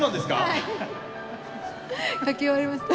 はい書き終わりました。